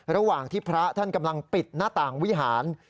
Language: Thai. ระหว่างที่พระท่านกำลังปิดหน้าต่างวิหาร